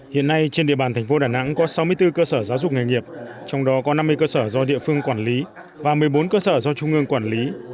hiện nay trên địa bàn thành phố đà nẵng có sáu mươi bốn cơ sở giáo dục nghề nghiệp trong đó có năm mươi cơ sở do địa phương quản lý và một mươi bốn cơ sở do trung ương quản lý